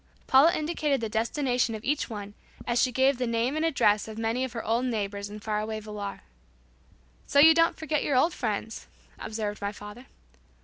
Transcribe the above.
Paula indicated the destination of each one as she gave the name and address of many of her old neighbors in far away Villar. "So you don't forget your old friends," observed my father.